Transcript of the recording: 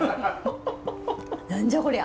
何じゃこりゃ。